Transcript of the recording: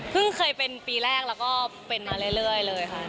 เคยเป็นปีแรกแล้วก็เป็นมาเรื่อยเลยค่ะ